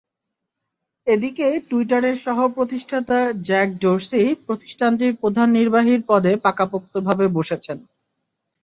এদিকে টুইটারের সহ-প্রতিষ্ঠাতা জ্যাক ডোর্সি প্রতিষ্ঠানটির প্রধান নির্বাহীর পদে পাকাপোক্তভাবে বসেছেন।